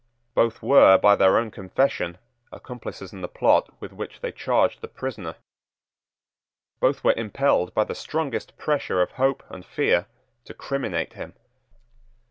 Both were, by their own confession accomplices in the plot with which they charged the prisoner. Both were impelled by the strongest pressure of hope end fear to criminate him.